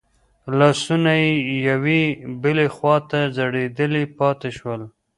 لاسونه يې يوې بلې خواته ځړېدلي پاتې شول.